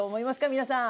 皆さん。